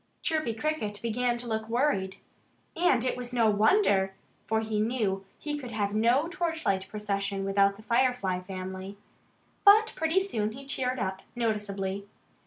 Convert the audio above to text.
Chirpy Cricket began to look worried. And it was no wonder. For he knew he could have no torchlight procession without the Firefly family. But pretty soon he cheered up noticeably.